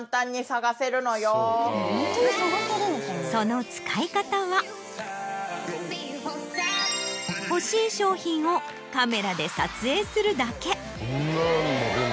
その使い方は欲しい商品をカメラで撮影するだけ。